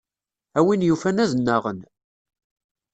A win yufan ad nnaɣen.